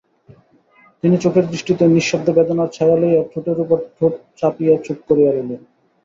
তিনি চোখের দৃষ্টিতে নিঃশব্দ বেদনার ছায়া লইয়া ঠোঁটের উপর ঠোঁট চাপিয়া চুপ করিয়া রহিলেন।